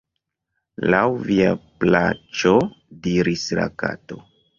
"Laŭ via plaĉo," diris la Kato.